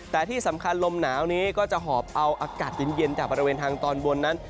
แต่ที่สำคัญลมหนาวนี้ก็จะหอบเอาอากาศเย็นจากบริเวณทางตอนบนนั้น